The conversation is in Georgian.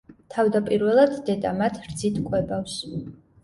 თავდაპირველად დედა მათ რძით კვებავს.